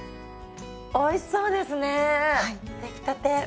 おいしそうですね出来たて。